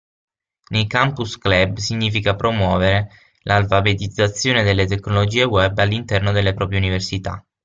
Nei Campus Club significa promuovere l'alfabetizzazione delle tecnologie Web all'interno della propria Università.